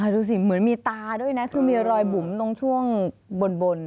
ดูสิเหมือนมีตาด้วยนะคือมีรอยบุ๋มตรงช่วงบน